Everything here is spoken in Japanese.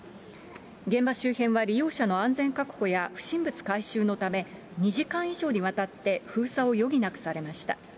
現場周辺は利用者の安全確保や、不審物回収のため、２時間以上にわたって封鎖を余儀なくされました。